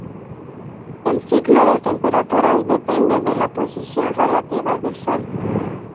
El ciclo de temperaturas depende de la posición relativa del sol.